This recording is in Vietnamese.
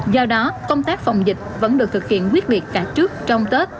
do đó công tác phòng dịch vẫn được thực hiện quyết liệt cả trước trong tết